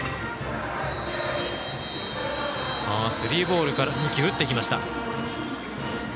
スリーボールから２球打ってきました。